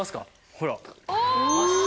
ほら。